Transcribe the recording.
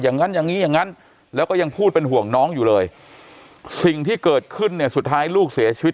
อย่างนั้นอย่างนี้อย่างนั้นแล้วก็ยังพูดเป็นห่วงน้องอยู่เลยสิ่งที่เกิดขึ้นเนี่ยสุดท้ายลูกเสียชีวิต